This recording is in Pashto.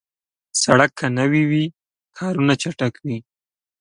سړک که نوي وي، کارونه چټک وي.